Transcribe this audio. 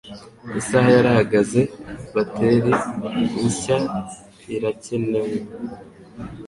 Isaha yarahagaze. Bateri nshya irakenewe.